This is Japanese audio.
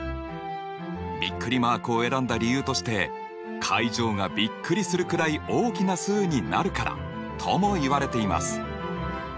びっくりマークを選んだ理由として階乗がびっくりするくらい大きな数になるからともいわれています。